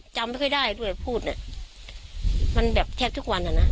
จำไม่ได้ด้วยอาจพูดมันแบบแทบทุกวันแหละนะ